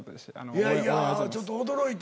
いやいやちょっと驚いて。